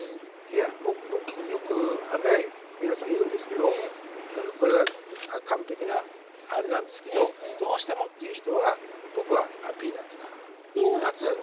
いやよく皆さん言うんですけどこれが完璧なあれなんですけどどうしてもっていう人は僕はピーナツがいいなと思ってます。